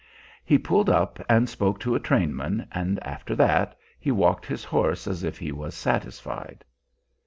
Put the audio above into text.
He pulled up and spoke to a trainman, and after that he walked his horse as if he was satisfied.